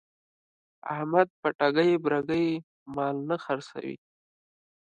احمد په ټګۍ برگۍ مال نه خرڅوي.